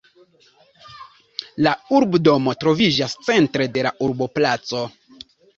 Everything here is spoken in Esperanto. La urbodomo troviĝas centre de la urboplaco.